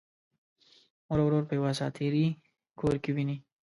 مور او ورور په یوه اساطیري کور کې ويني.